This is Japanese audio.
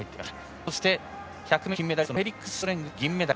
そして、１００ｍ金メダリストのフェリクス・シュトレングが銀メダル。